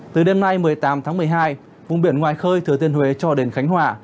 từ đêm nay một mươi tám tháng một mươi hai vùng biển ngoài khơi thừa tiên huế cho đến khánh hòa